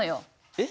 えっ？